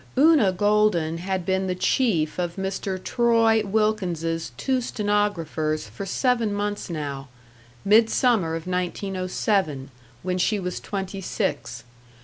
§ 2 Una Golden had been the chief of Mr. Troy Wilkins's two stenographers for seven months now midsummer of 1907, when she was twenty six.